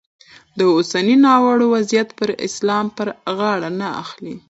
د اوسني ناوړه وضیعت پړه اسلام پر غاړه نه اخلي.